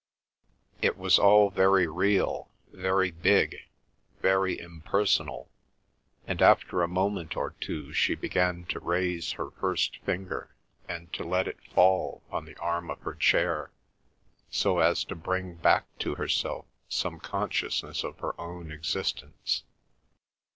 It was all very real, very big, very impersonal, and after a moment or two she began to raise her first finger and to let it fall on the arm of her chair so as to bring back to herself some consciousness of her own existence.